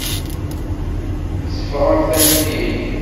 Seffɣemt-tent-id.